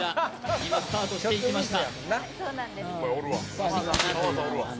今スタートしていきました